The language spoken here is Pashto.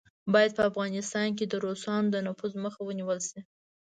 باید په افغانستان کې د روسانو د نفوذ مخه ونیوله شي.